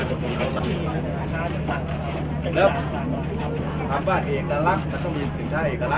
เมืองอัศวินธรรมดาคือสถานที่สุดท้ายของเมืองอัศวินธรรมดา